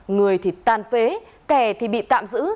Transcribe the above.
người thì tan phế kẻ thì bị tạm giữ